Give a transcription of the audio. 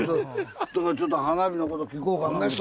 ちょっと花火のこと聞こうかと。